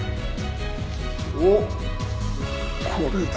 おっこれだ！